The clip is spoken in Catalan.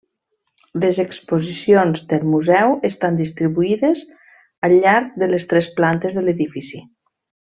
Les exposicions del museu estan distribuïdes al llarg de les tres plantes de l'edifici.